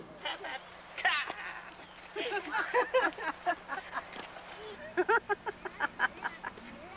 ハハハハハッ。